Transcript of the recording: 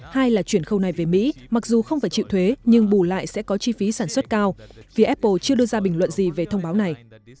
hai là chuyển khâu này về mỹ mặc dù không phải chịu thuế nhưng bù lại sẽ có chi phí sản xuất cao vì apple chưa đưa ra bình luận gì về thông báo này